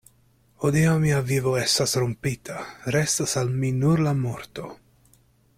Hodiaŭ mia vivo estas rompita; restas al mi nur la morto.